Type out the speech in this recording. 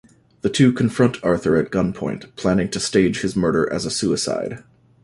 The two confront Arthur at gunpoint, planning to stage his murder as a suicide.